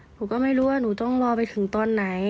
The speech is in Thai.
หนูก็ไม่รู้ว่าหนูต้องรอไปถึงตอนไหน